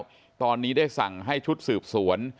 หายมาสอบปากคำอย่างละเอียดแล้วตอนนี้ได้สั่งให้ชุดสืบสวน